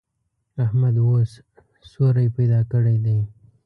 احمد اوس سوری پیدا کړی دی.